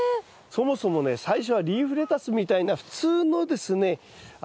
そもそもね最初はリーフレタスみたいな普通のですね